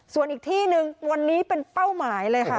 ส่วนอีกที่หนึ่งวันนี้เป็นเป้าหมายเลยค่ะ